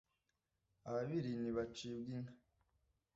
ababiri ntibacibwa inka